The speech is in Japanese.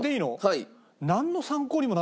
はい。